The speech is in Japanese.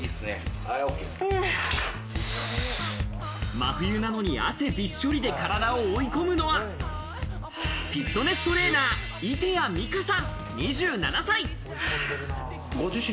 真冬なのに汗びっしょりで体を追い込むのは、フィットネストレーナー・射手矢味香さん、２７歳。